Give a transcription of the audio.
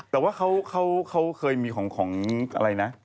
แต่ว่าเขาเคยมีของอะไรนะ